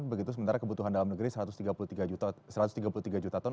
begitu sementara kebutuhan dalam negeri satu ratus tiga puluh tiga juta ton